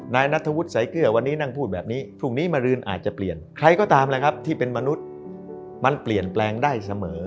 นัทธวุฒิสายเกลือวันนี้นั่งพูดแบบนี้พรุ่งนี้มารืนอาจจะเปลี่ยนใครก็ตามแหละครับที่เป็นมนุษย์มันเปลี่ยนแปลงได้เสมอ